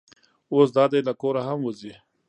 اوس دا دی له کوره هم وځي.